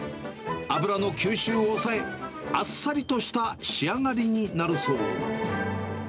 油の吸収を抑え、あっさりとした仕上がりになるそう。